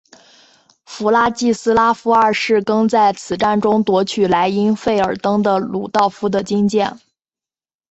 弗拉季斯拉夫二世更在此战中夺去莱茵费尔登的鲁道夫的金剑。